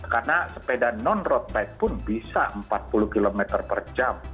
karena sepeda non road bike pun bisa empat puluh kilometer per jam